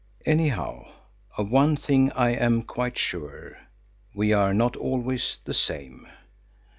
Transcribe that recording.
Anyhow of one thing I am quite sure, we are not always the same.